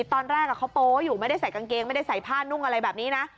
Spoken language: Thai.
ตอนแรกเขาโป๊อยู่ไม่ได้ใส่กางเกงไม่ได้ใส่ผ้านุ่งอะไรแบบนี้นะ